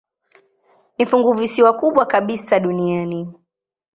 Ni funguvisiwa kubwa kabisa duniani.